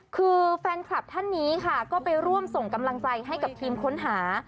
คือแฟนคลับท่านนี้ค่ะก็ไปร่วมส่งกำลังใจให้กับทีมค้นหา